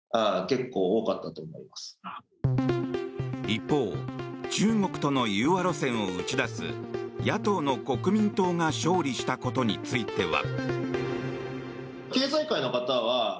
一方中国との融和路線を打ち出す野党の国民党が勝利したことについては。